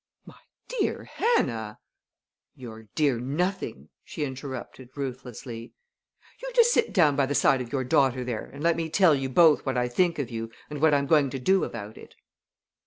"My dear Hannah!" "Your dear nothing!" she interrupted ruthlessly. "You just sit down by the side of your daughter there and let me tell you both what I think of you and what I'm going to do about it."